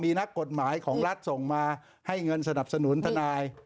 มีนักกฎหมายของรัฐส่งมาให้เงินสนับสนุนทนาย